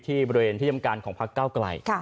ที่บริเวณที่ทำการของพักเก้าไกล